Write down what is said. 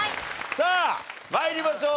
さあ参りましょう。